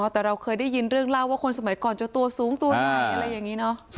แต่เราเคยได้ยินเรื่องเล่าว่าคนสมัยก่อนจะตัวสูงตัวใหญ่อะไรอย่างนี้เนอะ